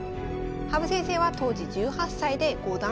羽生先生は当時１８歳で五段。